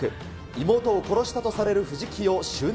妹を殺したとされる藤木を執念